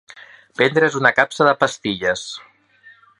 Prendre's una capsa de pastilles.